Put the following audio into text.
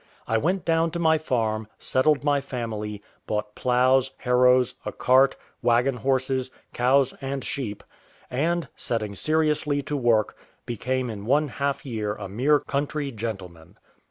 I went down to my farm, settled my family, bought ploughs, harrows, a cart, waggon horses, cows, and sheep, and, setting seriously to work, became in one half year a mere country gentleman.